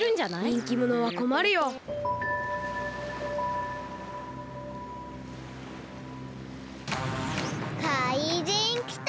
にんきものはこまるよ。かいじんきた！